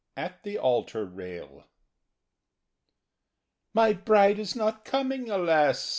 IX AT THE ALTAR RAIL "MY bride is not coming, alas!"